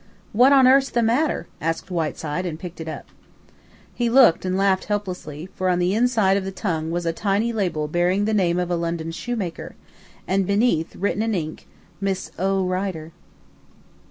"What's on earth the matter?" asked Whiteside, and picked it up. He looked and laughed helplessly; for on the inside of the tongue was a tiny label bearing the name of a London shoemaker, and beneath, written in ink, "Miss O. Rider."